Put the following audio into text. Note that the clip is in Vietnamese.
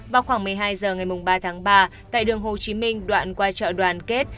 vào khoảng một mươi hai h ngày ba tháng ba tại đường hồ chí minh đoạn qua chợ đoàn kết